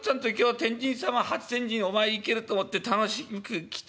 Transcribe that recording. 天神様初天神お参り行けると思って楽しみ来た